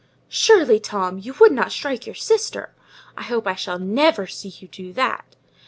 "Surely, Tom, you would not strike your sister! I hope I shall never see you do that."